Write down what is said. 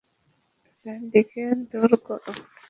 চারদিকে দৌড় করা।